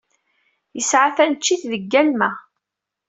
Yesɛa taneččit deg Galma.